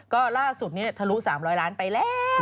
ก็ล่าสุดนี้ทะลุ๓๐๐ล้านไปแล้ว